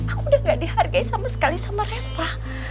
aku udah gak dihargai sama sekali sama reva